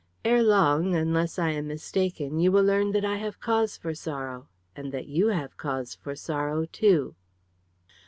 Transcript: "Ere long, unless I am mistaken, you will learn that I have cause for sorrow, and that you have cause for sorrow too."